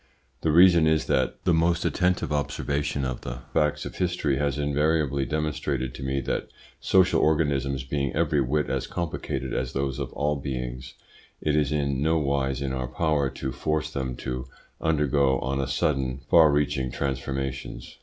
The reason is, that the most attentive observation of the facts of history has invariably demonstrated to me that social organisms being every whit as complicated as those of all beings, it is in no wise in our power to force them to undergo on a sudden far reaching transformations.